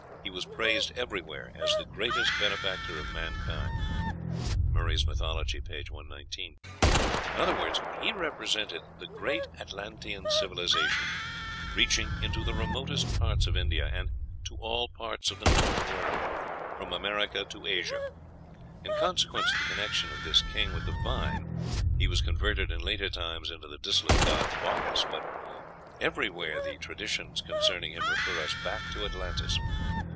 He was praised everywhere as the greatest benefactor of mankind." (Murray's "Mythology," p. 119.) In other words, he represented the great Atlantean civilization, reaching into "the remotest parts of India," and "to all parts of the known world," from America to Asia. In consequence of the connection of this king with the vine, he was converted in later times into the dissolute god Bacchus. But everywhere the traditions concerning him refer us back to Atlantis.